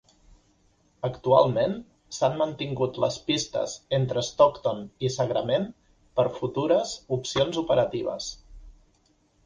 Actualment, s'han mantingut les pistes entre Stockton i Sagrament per a futures opcions operatives.